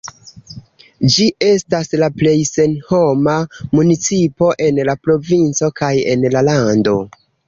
Ĝi estas la plej senhoma municipo en la provinco kaj en la lando.